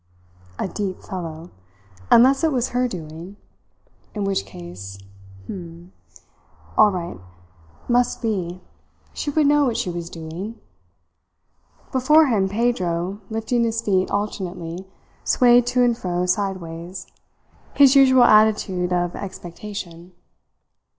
A deep fellow! Unless it was her doing; in which case h'm all right. Must be. She would know what she was doing. Before him Pedro, lifting his feet alternately, swayed to and fro sideways his usual attitude of expectation.